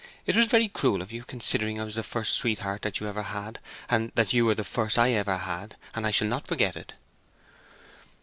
It was very cruel of you, considering I was the first sweetheart that you ever had, and you were the first I ever had; and I shall not forget it!"